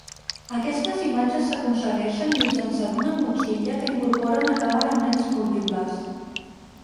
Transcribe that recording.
Aquestes imatges s'aconsegueixen mitjançant una motxilla que incorpora una càmera amb lents múltiples.